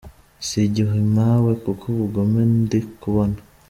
Sigihe mpawe kuko ubugome ndi kubona.